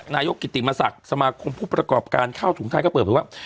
นายกกิติมศักดิ์สมาคมผู้ประกอบการข้าวถุงไทยก็เปิดเผยว่า